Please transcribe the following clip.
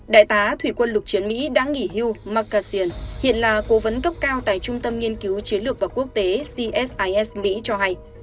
đại tá thủy quân lục chiến mỹ đã nghỉ hưu makassion hiện là cố vấn cấp cao tại trung tâm nghiên cứu chiến lược và quốc tế csis mỹ cho hay